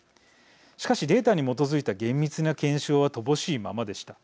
しかし、データに基づいた厳密な検証は乏しいままでした。